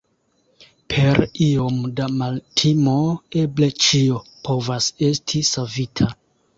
Per iom da maltimo eble ĉio povas esti savita.